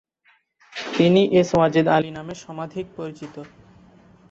তিনি এস ওয়াজেদ আলি নামে সমধিক পরিচিত।